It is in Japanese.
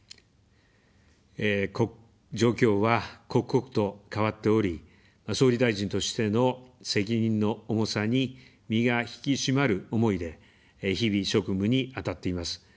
状況は刻々と変わっており、総理大臣としての責任の重さに、身が引き締まる思いで、日々、職務に当たっています。